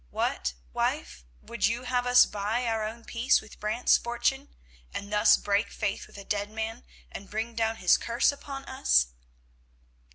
What, wife, would you have us buy our own peace with Brant's fortune, and thus break faith with a dead man and bring down his curse upon us?"